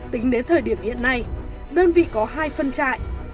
tính đến thời điểm hiện nay đơn vị có hai phân trại